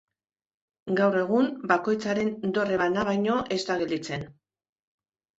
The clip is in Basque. Gaur egun bakoitzaren dorre bana baino ez da gelditzen.